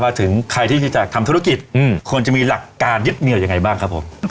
ถึงใครที่จะทำธุรกิจควรจะมีหลักการยึดเหนียวยังไงบ้างครับผม